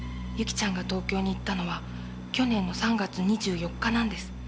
由起ちゃんが東京に行ったのは去年の３月２４日なんです。